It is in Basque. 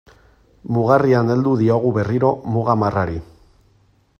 Mugarrian heldu diogu berriro muga marrari.